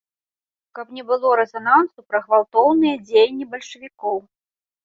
Каб не было рэзанансу пра гвалтоўныя дзеянні бальшавікоў.